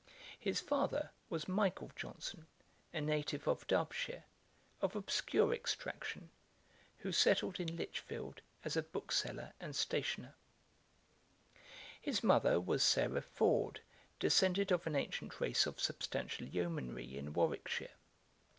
His father was Michael Johnson, a native of Derbyshire, of obscure extraction, who settled in Lichfield as a bookseller and stationer. [Page 35: His parentage. A.D. 1709] His mother was Sarah Ford, descended of an ancient race of substantial yeomanry in Warwickshire.